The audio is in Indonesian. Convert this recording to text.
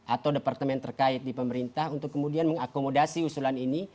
atau departemen terkait di pemerintah untuk kemudian mengakomodasi usulan ini